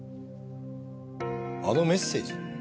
あのメッセージ？